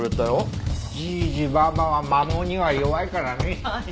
じいじばあばは孫には弱いからね。